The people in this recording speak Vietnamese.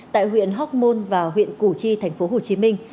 tại huyện hóc môn và huyện củ chi tp hcm